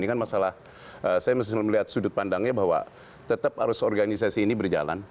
ini kan masalah saya mesti melihat sudut pandangnya bahwa tetap harus organisasi ini berjalan